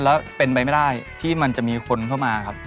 แล้วเป็นไปไม่ได้ที่มันจะมีคนเข้ามาครับ